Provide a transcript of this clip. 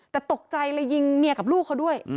แต่ตกใจเลยยิงเมียกับลูกเขาด้วย